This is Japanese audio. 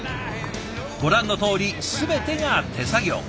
ご覧のとおり全てが手作業。